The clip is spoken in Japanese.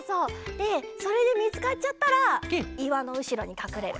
でそれでみつかっちゃったらいわのうしろにかくれる。